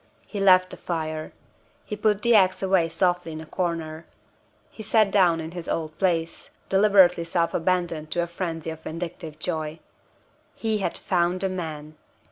He left the fire; he put the ax away softly in a corner; he sat down in his old place, deliberately self abandoned to a frenzy of vindictive joy. He had found the man!